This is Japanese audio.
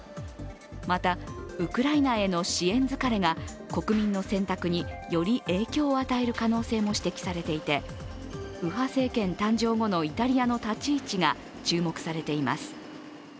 また、ウクライナへの支援疲れが国民の選択により影響を与える可能性も指摘されていて右派政権誕生後のイタリアの立ち位置が注目されています。